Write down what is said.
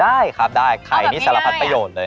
ได้ครับได้ไข่นี่สารพัดประโยชน์เลย